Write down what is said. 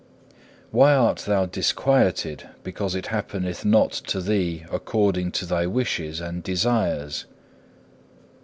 Why art thou disquieted because it happeneth not to thee according to thy wishes and desires?